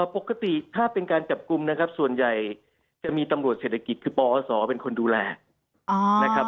ปกติถ้าเป็นการจับกลุ่มนะครับส่วนใหญ่จะมีตำรวจเศรษฐกิจคือปอศเป็นคนดูแลนะครับ